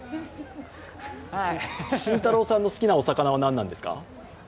慎太郎さんの好きなお魚は何ですか？